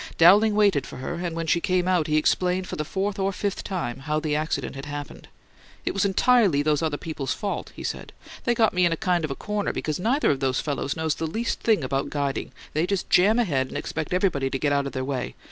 Dowling waited for her, and when she came out he explained for the fourth or fifth time how the accident had happened. "It was entirely those other people's fault," he said. "They got me in a kind of a corner, because neither of those fellows knows the least thing about guiding; they just jam ahead and expect everybody to get out of their way.